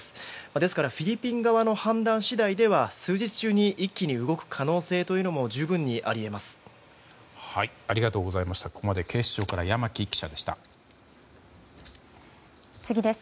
ですからフィリピン側の判断次第では数日中に一気に動く可能性というのも十分にあり得ます。